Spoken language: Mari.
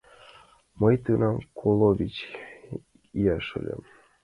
— Мый тунам коло вич ияш ыльым.